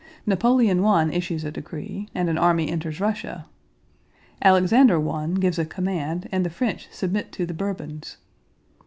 Napoleon I issues a decree and an army enters Russia. Alexander I gives a command and the French submit to the Bourbons.